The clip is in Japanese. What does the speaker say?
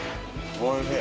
おいしい。